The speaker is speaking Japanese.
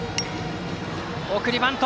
送りバント。